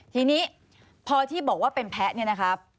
ทีนี้พอที่บอกว่าเป็นแพ้เนี่ยนะครับ